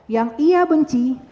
yang ia benci